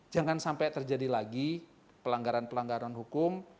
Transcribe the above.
jangan sampai terjadi lagi pelanggaran pelanggaran hukum